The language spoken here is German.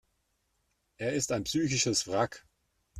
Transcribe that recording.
Er ist ein psychisches Wrack.